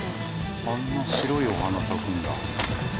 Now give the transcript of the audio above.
あんな白いお花咲くんだ。